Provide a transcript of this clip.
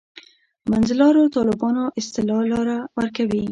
منځلارو طالبانو اصطلاح لاره ورکوي.